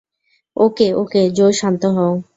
ওকে, okay, Joe শান্ত হও।